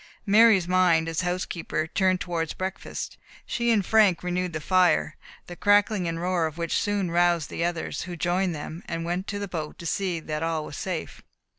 Mary's mind, as housekeeper, turned towards breakfast. She and Frank renewed the fire, the crackling and roar of which soon roused the others, who joined them, and then went to the boat to see that all was safe.